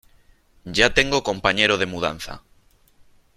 Ya tengo compañero de mudanza .